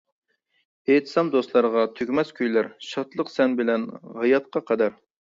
ئېيتسام دوستلارغا تۈگىمەس كۈيلەر، شادلىق سەن بىلەن ھاياتقا قەدەر.